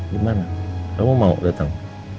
gimana kamu mau datang